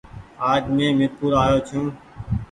آج مينٚ مير پور آ يو ڇوٚنٚ